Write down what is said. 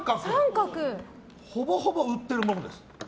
ほぼほぼ売っているもの。